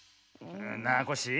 なあコッシー